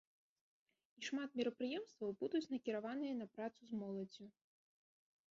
І шмат мерапрыемстваў будуць накіраваныя на працу з моладдзю.